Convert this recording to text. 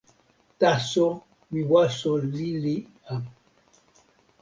taso mi waso lili a.